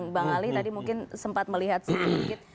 bang ali tadi mungkin sempat melihat sedikit